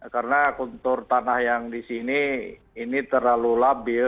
karena kontur tanah yang di sini ini terlalu labil